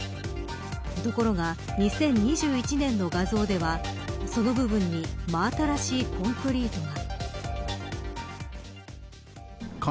ところが２０２１年の画像ではその部分に真新しいコンクリートが。